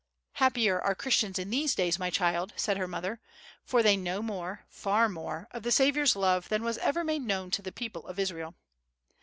"Happier are Christians in these days, my child," said her mother, "for they know more, far more, of the Saviour's love than was ever made known to the people of Israel.